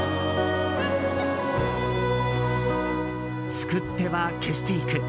作っては消していく。